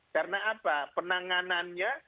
karena apa penanganannya